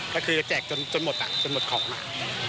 ก็คือแจกจนหมดจนหมดของมา